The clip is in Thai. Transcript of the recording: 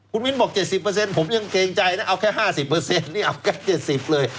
คุณมิ้นบอก๗๐ผมยังเกรงใจนะเอาแค่๕๐นี่เอาแค่๗๐เลย